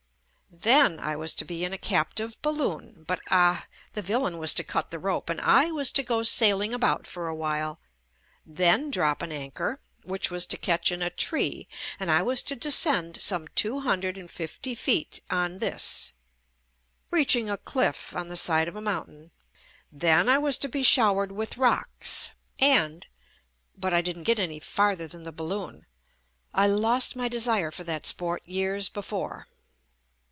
Then I was to be in a captive balloon — but ah! the villain was to cut the rope and I was to go sailing about for a while, then drop an anchor, which was to catch in a tree, and I was to descend some two hundred and fifty feet on this, reaching a cliff on the side of a JUST ME mountain, then I was to be showered with rocks and — but I didn't get any farther than the bal loon. I lost my desire for that sport years be fore.